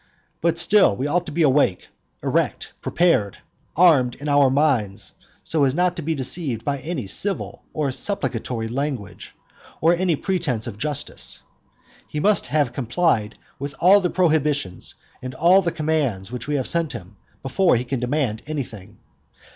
But still we ought to be awake, erect, prepared, armed in our minds, so as not to be deceived by any civil or supplicatory language, or by any pretence of justice. He must have complied with all the prohibitions and all the commands which we have sent him, before he can demand anything.